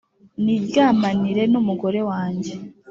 niryamanire n’umugore wanjye?